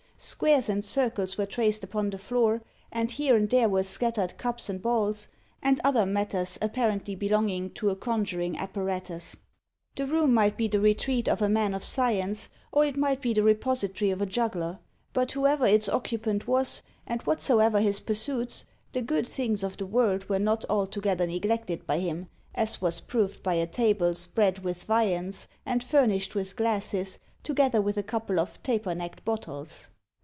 Squares and circles were traced upon the floor, and here and there were scattered cups and balls, and other matters apparently belonging to a conjuring apparatus. The room might be the retreat of a man of science, or it might be the repository of a juggler. But whoever its occupant was, and whatsoever his pursuits, the good things of the world were not altogether neglected by him, as was proved by a table spread with viands, and furnished with glasses, together with a couple of taper necked bottles.